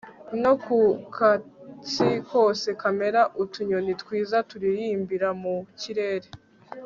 no ku katsi kose kamera Utunyoni twiza turirimbira mu kirere